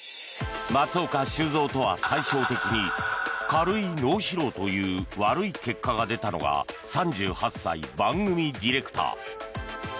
松岡修造とは対照的に軽い脳疲労という悪い結果が出たのが３８歳、番組ディレクター。